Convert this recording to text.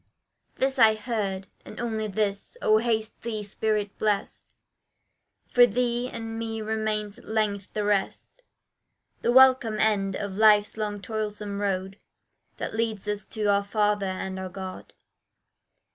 This I heard, And only this, "Oh! haste thee, spirit blest, For thee and me remains at length the rest, The welcome end of life's long toilsome road, That leads us to our Father and our God."